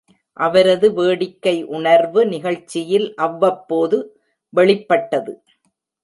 அவரது வேடிக்கை உணர்வு நிகழ்ச்சியில் அவ்வப்போது வெளிப்பட்டது.